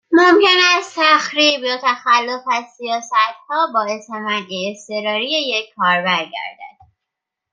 ممکن است تخریب یا تخلف از سیاستها، باعث منع اضطراری یک کاربر گردد.